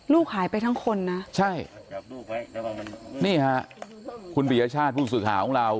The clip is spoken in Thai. ลูกหายไปทั้งคนนะใช่นี่ฮะคุณปียชาติผู้สื่อข่าวของเรา